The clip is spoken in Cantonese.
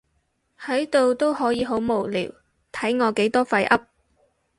喺度都可以好無聊，睇我幾多廢噏